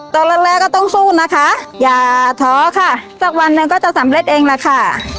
ตอนแรกก็ต้องสู้นะคะอย่าท้อค่ะสักวันหนึ่งก็จะสำเร็จเองแหละค่ะ